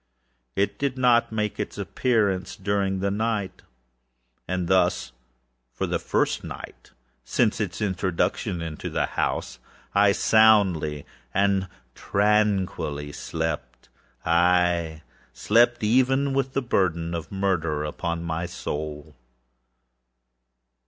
It did not make its appearance during the night; and thus for one night at least, since its introduction into the house, I soundly and tranquilly slept; aye, slept even with the burden of murder upon my soul!